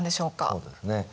そうですね。